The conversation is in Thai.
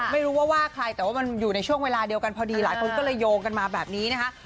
ไม่รู้ว่าว่าใครแต่ว่ามันอยู่ในช่วงเวลาเดียวกันพอดีหลายคนก็เลยโยงกันมาแบบนี้นะคะ